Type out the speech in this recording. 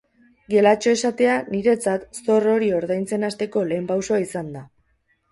Gelatxo esatea, niretzat, zor hori ordaintzen hasteko lehen pausoa izan da.